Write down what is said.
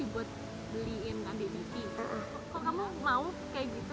kok kamu mau kayak gitu